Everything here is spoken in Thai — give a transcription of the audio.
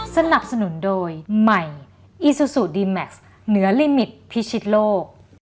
สนับสนุนโดยใหม่อีซูซูดีแม็กซ์เหนือลิมิตพิชิตโลก